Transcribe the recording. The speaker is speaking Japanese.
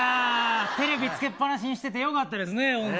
テレビつけっぱなしにしててよかったですね。